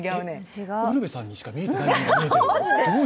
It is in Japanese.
ウルヴェさんにしか見えてない。